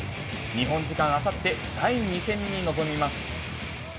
日本時間あさって、第２戦に臨みます。